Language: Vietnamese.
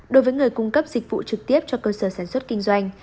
đối với người cung cấp dịch vụ trực tiếp cho cơ sở sản xuất kinh doanh